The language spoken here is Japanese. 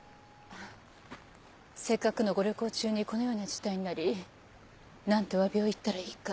せっかくのご旅行中にこのような事態になり何とお詫びを言ったらいいか。